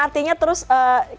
artinya terus ketika